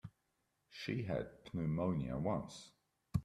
She had pneumonia once.